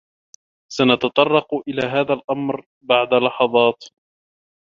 سنتطرق إلى هذا الأمر بعد لحظات.